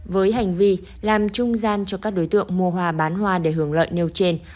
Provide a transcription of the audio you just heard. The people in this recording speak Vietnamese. với hành vi làm trung gian cho các đối tượng mua hoa bán hoa để hưởng lợi nêu trên